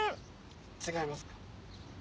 違いますか？